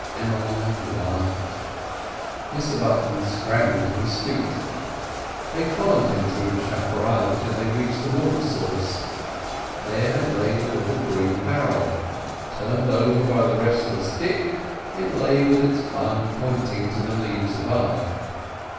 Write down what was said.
Emmeline laughed. Mr Button scrambled to his feet. They followed him through the chapparel till they reached the water source. There lay the little green barrel; turned over by the restless Dick, it lay with its bung pointing to the leaves above.